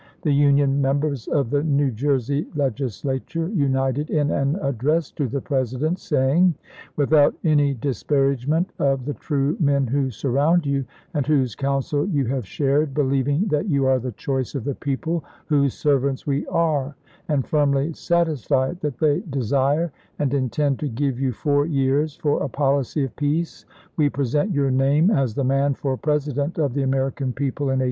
The Union mem bers of the New Jersey Legislature united in an address to the President, saying: "Without any disparagement of the true men who surround you, and whose counsel you have shared, believing that you are the choice of the people, whose ser vants we are, and firmly satisfied that they desire and intend to give you four years for a policy of peace, we present your name as the man for Presi lsel ' ms. dent of the American people, in 1864."